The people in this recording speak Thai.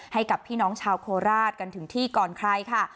ให้กับพี่น้องชาวโคราชกันถึงที่ก่อนใครค่ะ